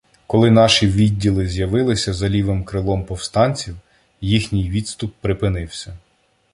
Коли наші відділи з’явилися за лівим крилом повстанців, їхній відступ припинився.